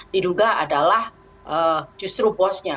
diduga adalah justru bosnya